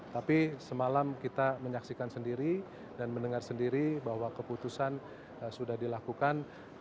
tapi semalam kita menyaksikan sendiri dan mendengar sendiri bahwa keputusan ini akan menjadi keputusan tersebut